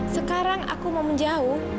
sekarang aku mau menjauh